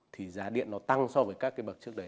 thì giá điện nó tăng so với các cái bậc trước đấy